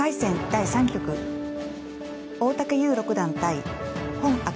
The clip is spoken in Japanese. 第３局大竹優六段対洪爽